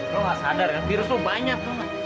lo ga sadar kan virus lo banyak